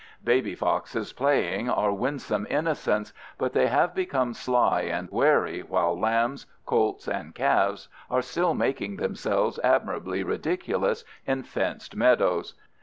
Baby foxes playing are winsome innocents, but they have become sly and wary while lambs, colts, and calves are still making themselves admirably ridiculous in fenced meadows.